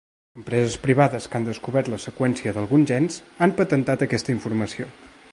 Empreses privades que han descobert la seqüenciació d'alguns gens han patentat aquesta informació.